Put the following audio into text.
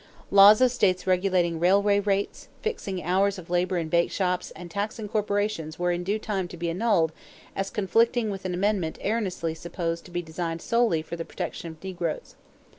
Laws of states regulating railway rates, fixing hours of labor in bakeshops, and taxing corporations were in due time to be annulled as conflicting with an amendment erroneously supposed to be designed solely for the protection of negroes.